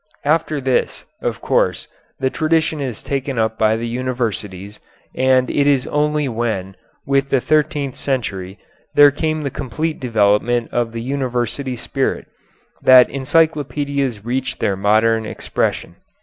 After this, of course, the tradition is taken up by the universities, and it is only when, with the thirteenth century, there came the complete development of the university spirit, that encyclopedias reached their modern expression.